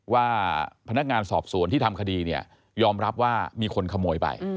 ว่าพนักงานสอบสวนที่ทำคดีเนี่ยยอมรับว่ามีคนขโมยไป